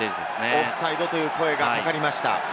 オフサイドという声がかかりました。